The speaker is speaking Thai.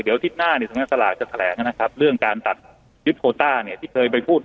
เดี๋ยวสัปดาห์หน้าเราจะแถลงอย่างน้อยเป็น๑๐๐๐๐ครับ